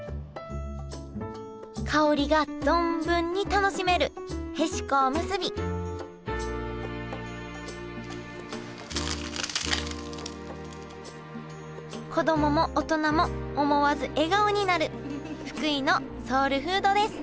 香りが存分に楽しめるへしこおむすび子供も大人も思わず笑顔になる福井のソウルフードです